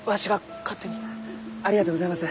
ありがとうございます。